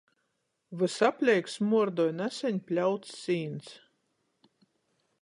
Vysapleik smuordoj naseņ pļauts sīns.